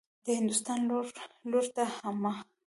د هندوستان لور ته حمه.